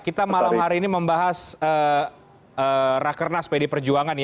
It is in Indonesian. kita malam hari ini membahas rakernas pdi perjuangan